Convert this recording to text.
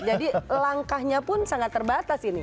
jadi langkahnya pun sangat terbatas ini